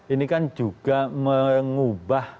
ini kan juga mengubah